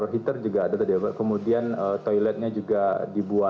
kita lanjut sesi tanya jawab ya